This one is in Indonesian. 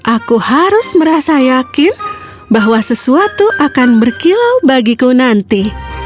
aku harus merasa yakin bahwa sesuatu akan berkilau bagiku nanti